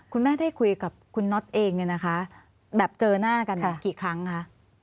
คุณแม่ได้คุยกับคุณน็อตเองเนี่ยนะคะแบบเจอหน้ากันกี่ครั้งคะ